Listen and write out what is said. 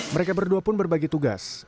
mereka berdua pun berbagi tugas